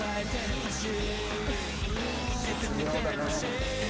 絶妙だね。